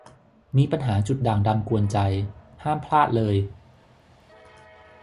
มีปัญหาจุดด่างดำกวนใจ ห้ามพลาดเลย